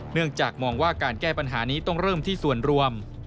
เนื่องจากมองว่าการแก้ปัญหานี้ต้องเริ่มที่ส่วนรวม